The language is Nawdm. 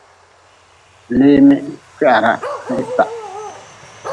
Leemi kwihre n hitah.